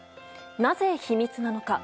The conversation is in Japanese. なぜ秘密なのか。